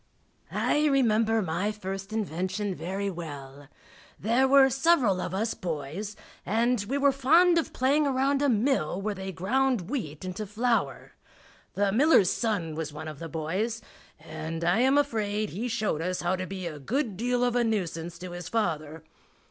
I remember my first invention very well. There were several of us boys, and we were fond of playing around a mill where they ground wheat into flour. The miller's son was one of the boys, and I am afraid he showed us how to be a good deal of a nuisance to his father.